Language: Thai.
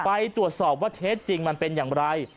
ไปตรวจสอบว่าเท็จจริงมันเป็นอย่างไร